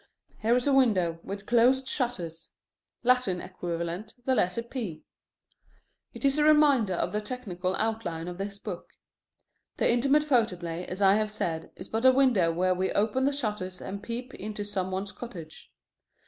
Here is a window with closed shutters: Latin equivalent, the letter P. It is a reminder of the technical outline of this book. The Intimate Photoplay, as I have said, is but a window where we open the shutters and peep into some one's cottage.